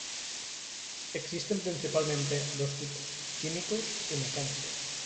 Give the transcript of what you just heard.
Existen principalmente dos tipos: químicos y mecánicos.